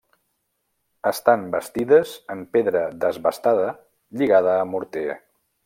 Estan bastides en pedra desbastada lligada amb morter.